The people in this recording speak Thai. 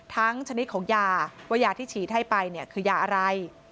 ชนิดของยาว่ายาที่ฉีดให้ไปเนี่ยคือยาอะไร